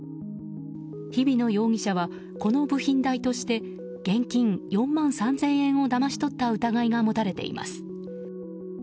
日比野容疑者はこの部品代として現金４万３０００円をだまし取った疑いが持たれています。